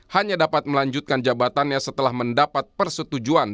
hanya dapat melanjutkan jabatannya setelah mendapat persetujuan